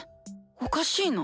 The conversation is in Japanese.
おかしいな。